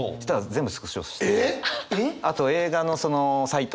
あと映画のそのサイト。